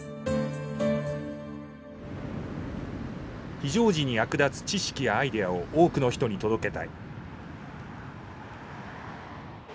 非常時に役立つ知識やアイデアを多くの人に届けたい。